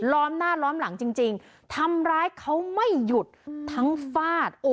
ล้อมหน้าล้อมหลังจริงทำร้ายเขาไม่หยุดทั้งฟาด